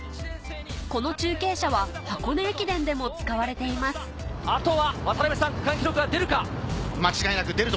この中継車は箱根駅伝でも使われています渡辺さん。